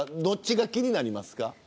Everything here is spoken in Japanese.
どっちが気になりますか。